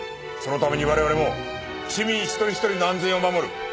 そのために我々も市民一人一人の安全を守る